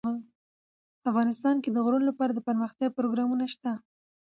افغانستان کې د غرونه لپاره دپرمختیا پروګرامونه شته.